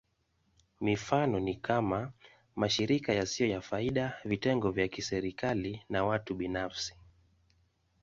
Mifano ni kama: mashirika yasiyo ya faida, vitengo vya kiserikali, na watu binafsi.